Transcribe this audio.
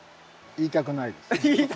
「言いたくないです」。